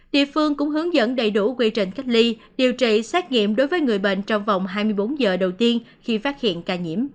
địa phương cũng hướng dẫn đầy đủ quy trình cách ly điều trị xét nghiệm đối với người bệnh trong vòng hai mươi bốn giờ đầu tiên khi phát hiện ca nhiễm